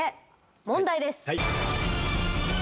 問題です。